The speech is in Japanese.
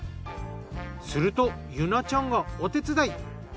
すると結愛ちゃんがお手伝い。